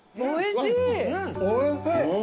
おいしい。